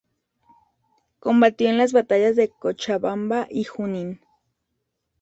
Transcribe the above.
Combatió en las batallas de Cochabamba y Junín.